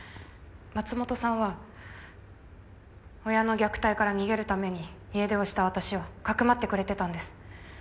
松本さんは親の虐待から逃げるために家出をした私をかくまってくれてたんです。